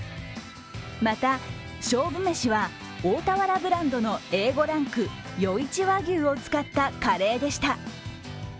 また、勝負めしは、大田原ブランドのＡ５ランク与一和牛を使ったカレーでした。